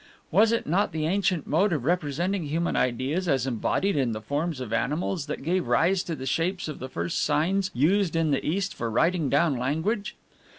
Was it not the ancient mode of representing human ideas as embodied in the forms of animals that gave rise to the shapes of the first signs used in the East for writing down language?